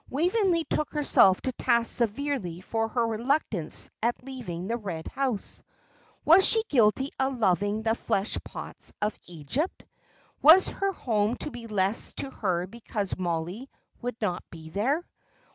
Waveney took herself to task severely for her reluctance at leaving the Red House. Was she guilty of loving the flesh pots of Egypt? Was her home to be less to her because Mollie would not be there?